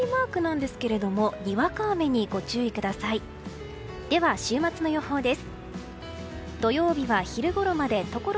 では、週末の予報です。